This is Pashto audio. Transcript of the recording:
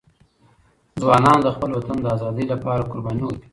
ځوانان د خپل وطن د ازادۍ لپاره قرباني ورکوي.